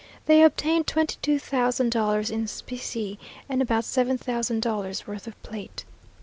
They obtained twenty two thousand dollars in specie, and about seven thousand dollars' worth of plate.